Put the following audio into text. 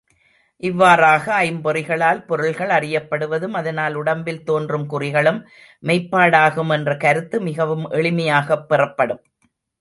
இவ்வாறாக ஐம்பொறிகளால் பொருள்கள் அறியப்படுவதும் அதனால் உடம்பில் தோன்றும் குறிகளும் மெய்ப்பாடாகும் என்ற கருத்து மிகவும் எளிமையாகப் பெறப்படும்.